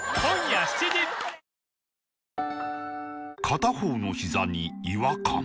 片方のひざに違和感